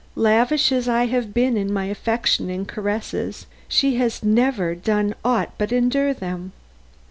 Lavish as I have been in my affection and caresses, she has never done aught but endure them.